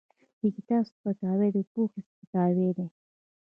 د کتاب سپکاوی د پوهې سپکاوی دی.